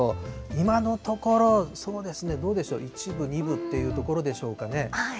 今のところ、そうですね、どうでしょう、１分、２分ってところでしょうかね。